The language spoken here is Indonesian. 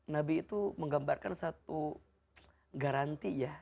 nabi itu menggambarkan satu garanti ya